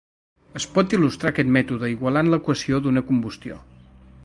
Es pot il·lustrar aquest mètode igualant l'equació d'una combustió.